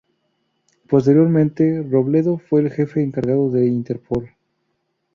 Posteriormente Robledo fue el jefe encargado de Interpol.